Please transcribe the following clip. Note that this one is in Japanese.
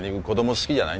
「好きじゃない」？